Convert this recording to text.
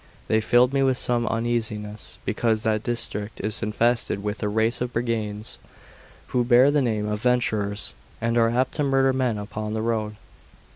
They filled me with some uneasiness, because that district is infested with a race of brigands, who bear the name of Venturers, and are apt to murder men upon the road.